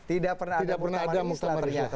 tidak pernah ada muktamar islah ternyata